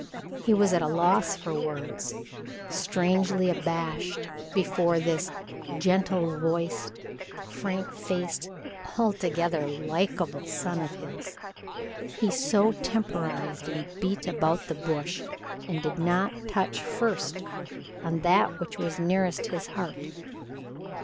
He was at a loss for words, strangely abashed before this gentle voiced, frank faced, altogether likable son of his. So he temporized and beat about the bush, and did not touch first on that which was nearest his heart.